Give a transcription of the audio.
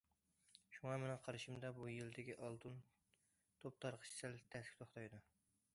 شۇڭا مېنىڭ قارىشىمدا، بۇ يىلدىكى ئالتۇن توپ تارقىتىش سەل تەسكە توختايدۇ.